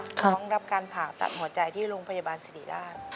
น้องรับการผ่าตัดหัวใจที่โรงพยาบาลสิริราช